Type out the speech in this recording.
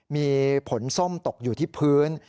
มีผลส้มตกอยู่ที่พื้น